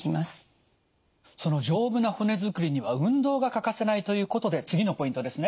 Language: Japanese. その丈夫な骨づくりには運動が欠かせないということで次のポイントですね。